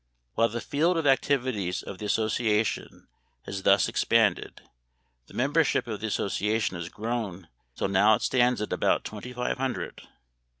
While the field of activities of the association has thus expanded, the membership of the association has grown until now it stands at about twenty five hundred.